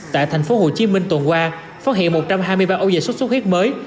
tại thành phố hồ chí minh tuần qua phát hiện một trăm hai mươi ba ô dịch sốt xuất huyết mới